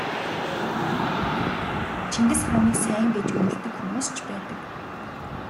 Чингис хааныг сайн гэж үнэлдэг хүмүүс ч байдаг.